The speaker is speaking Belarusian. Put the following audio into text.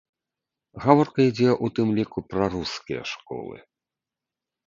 Гаворка ідзе ў тым ліку пра рускія школы.